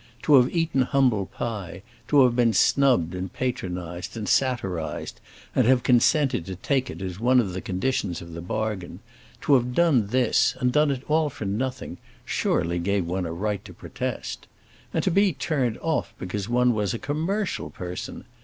To have eaten humble pie, to have been snubbed and patronized and satirized and have consented to take it as one of the conditions of the bargain—to have done this, and done it all for nothing, surely gave one a right to protest. And to be turned off because one was a commercial person!